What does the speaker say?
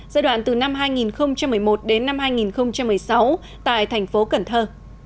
giai đoạn từ năm hai nghìn một mươi một đến năm hai nghìn một mươi sáu tại thành phố cần thơ